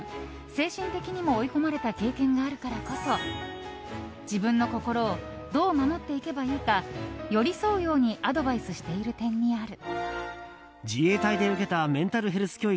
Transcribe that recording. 精神的にも追い込まれた経験があるからこそ自分の心をどう守っていけばいいか寄り添うようにアドバイスしている点にある。